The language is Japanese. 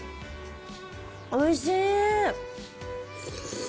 おいしい！